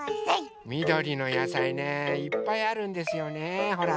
みどりのやさいねいっぱいあるんですよねほら！